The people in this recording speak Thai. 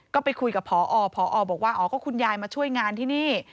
ก็ไปคุยกับพอพอบอกว่าอ๋อก็คุณยายมาช่วยงานที่นี่